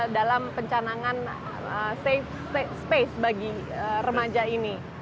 dalam pencanangan safe space bagi remaja ini